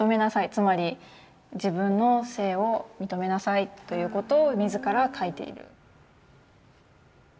つまり「自分の性を認めなさい」ということを自ら書いている。